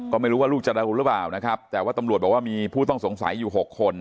ก็ไม่รู้ว่าลูกจะโดนหรือเปล่านะครับแต่ว่าตำรวจบอกว่ามีผู้ต้องสงสัยอยู่หกคน